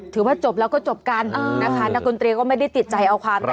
ถือว่าจบแล้วก็จบกันนะคะนักดนตรีก็ไม่ได้ติดใจเอาความนะ